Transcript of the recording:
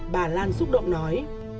bà lan xúc động nói